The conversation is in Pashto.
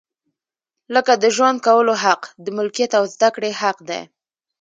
لکه د ژوند کولو حق، د ملکیت او زده کړې حق دی.